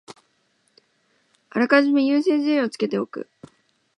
あらかじめ優先順位をつけておく